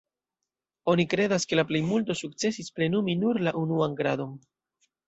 Oni kredas, ke la plejmulto sukcesis plenumi nur la "unuan gradon".